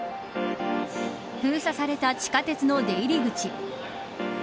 封鎖された地下鉄の出入り口。